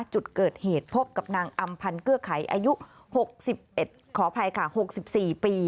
จุดเกิดเหตุพบกับนางอำพันธ์เกื้อไขอายุ๖๔ปี